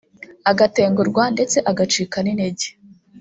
agatengurwa ndetse agacika n’intege